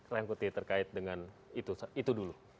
rangkuti terkait dengan itu dulu